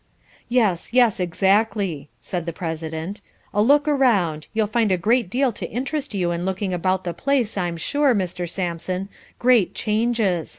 "Yes, yes, exactly," said the President. "A look round, you'll find a great deal to interest you in looking about the place, I'm sure, Mr. Samson, great changes.